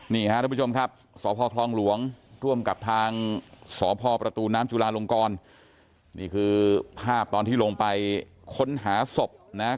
นี้ฮะทุกผู้ชมครับ